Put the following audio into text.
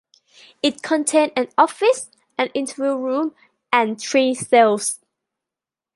It contained an office, an interview room and three cells.